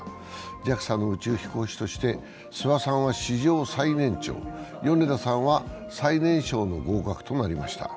ＪＡＸＡの宇宙飛行士として諏訪さんは史上最年長、米田さんは史上最年少となりました。